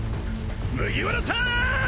麦わらさーん！